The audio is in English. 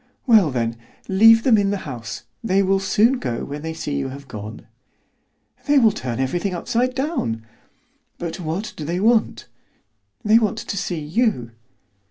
"Well, then, leave them in the house. They will soon go when they see you have gone." "They will turn everything upside down." "But what do they want?" "They want to see you."